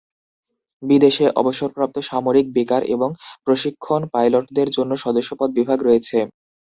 বিদেশে, অবসরপ্রাপ্ত, সামরিক, বেকার এবং প্রশিক্ষণ পাইলটদের জন্য সদস্যপদ বিভাগ রয়েছে।